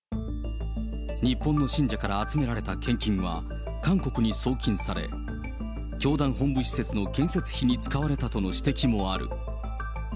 日本の信者から集められた献金は、韓国に送金され、教団本部施設の建設費に使われたとの指摘もある。